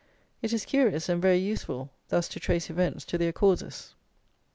It is curious, and very useful, thus to trace events to their causes.